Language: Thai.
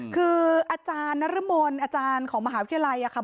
คืออาจารย์นรมนอาจารย์ของมหาวิทยาลัยค่ะ